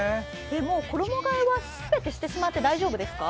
もう衣替えは全てしてしまって大丈夫ですか？